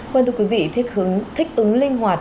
vâng thưa quý vị thích hứng thích ứng linh hoạt